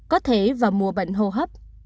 có thể vào mùa bệnh hô hấp